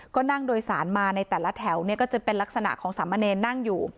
ก็นั่งโดยสารมาในแต่ละแถวเนี่ยก็จะเป็นลักษณะของสามเณรนั่งอยู่